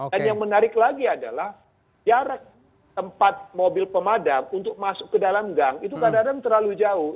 dan yang menarik lagi adalah jarak tempat mobil pemadam untuk masuk ke dalam gang itu kadang kadang terlalu jauh